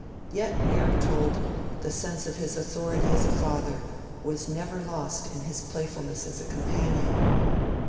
Yet, we are told, 'the sense of his authority as a father was never lost in his playfulness as a companion'.